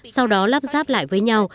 sau đó lắp ráp lại với nhau